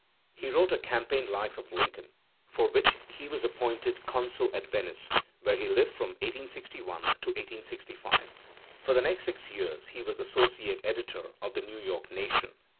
He wrote a campaign life of lincoln, for which he was appointed Consul at Venice, where he lived* from 1861 to 1865. For the next six years he was associate editor of the New York Nation.